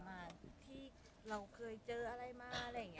บางทีเค้าแค่อยากดึงเค้าต้องการอะไรจับเราไหล่ลูกหรือยังไง